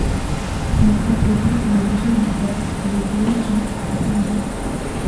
Mais, hâtez-vous, il est déjà huit heures, et les lionnes sont diligentes.